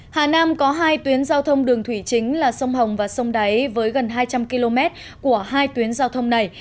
hà nam có hai tuyến giao thông đường thủy chính là sông hồng và sông đáy với gần hai trăm linh km của hai tuyến giao thông này